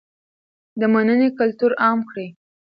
د مننې کلتور عام کړئ.